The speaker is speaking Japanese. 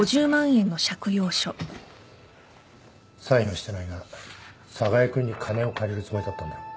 サインはしてないが寒河江君に金を借りるつもりだったんだろ。